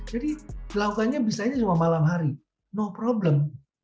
jadi dilakukannya bisa hanya cuma malam hari no problem